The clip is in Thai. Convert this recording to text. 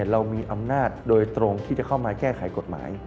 เรามีอำนาจโดยตรงที่จะเข้ามาแก้ไขกฎหมาย